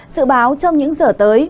sự báo trong những giờ tới